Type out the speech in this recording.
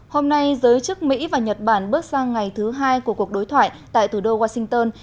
hôm nay giới chức mỹ và nhật bản bước sang ngày thứ hai của cuộc đối thoại tại thủ đô washington